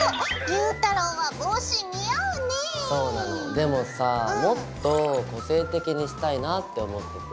でもさもっと個性的にしたいなって思ってて。